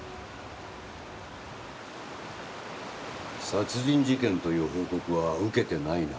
殺人事件という報告は受けてないな。